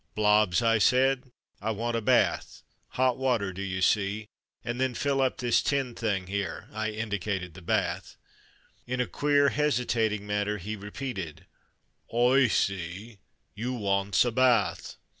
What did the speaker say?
"Blobbs,'" I said, " I want a bath. Hot water, do you see, and then fill up this tin thing here.'' I indi cated the bath. In a queer hesitating manner he repeated, "Oi see, you wants a bath."